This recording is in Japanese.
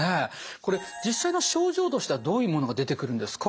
これ実際の症状としてはどういうものが出てくるんですか？